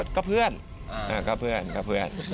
ก็เพื่อนก็เพื่อนก็เพื่อน